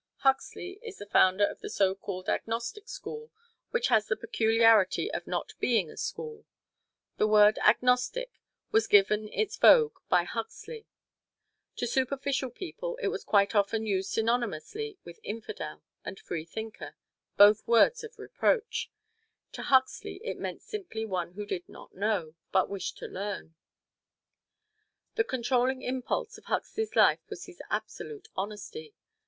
Huxley is the founder of the so called Agnostic School, which has the peculiarity of not being a school. The word "agnostic" was given its vogue by Huxley. To superficial people it was quite often used synonymously with "infidel" and "freethinker," both words of reproach. To Huxley it meant simply one who did not know, but wished to learn. The controlling impulse of Huxley's life was his absolute honesty.